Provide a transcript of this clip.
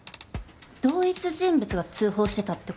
同一人物が通報してたってこと？